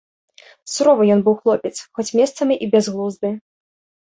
Суровы ён быў хлопец, хоць месцамі і бязглузды.